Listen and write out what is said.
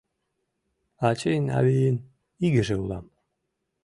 Ачийын-авийын игыже улам.